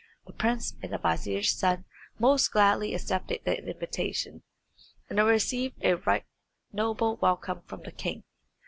The prince and the vizier's son most gladly accepted the invitation, and received a right noble welcome from the king.